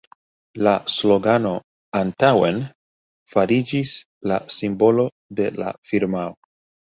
La slogano «Antaŭen!» fariĝis la simbolo de la firmao.